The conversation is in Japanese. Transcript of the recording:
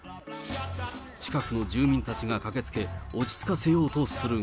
近くの住人たちが駆けつけ、落ち着かせようとするが。